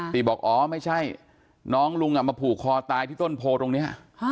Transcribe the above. บอกอ๋อไม่ใช่น้องลุงมาผูกคอตายที่ต้นโพตรงนี้